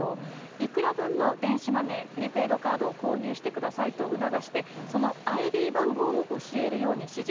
いくら分の電子マネー、プリペイドカードを購入してくださいと促して、そのＩＤ番号を教えるように指示。